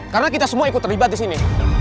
karena kita semua ikut terlibat di sini